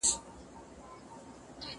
ولې ځینې کسان قانون تر پښو لاندې کوي؟